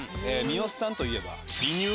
三吉さんといえば。